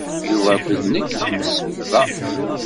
Yuba akked nekk nemsebḍa.